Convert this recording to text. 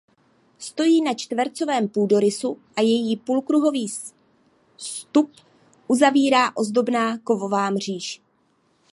Stojí na čtvercovém půdorysu a její půlkruhový vstup uzavírá ozdobná kovová mříž.